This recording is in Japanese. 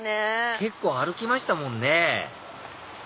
結構歩きましたもんね